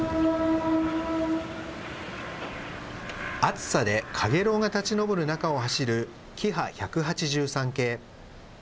暑さでかげろうが立ち上る中を走るキハ１８３系。